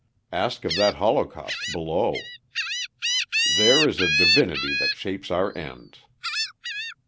Ask of that holocaust below. " There is a divinity that shapes our ends.'